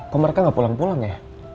kok mereka nggak pulang pulang ya